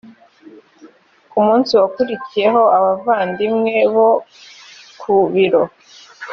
ku munsi wakurikiyeho abavandimwe bo ku biro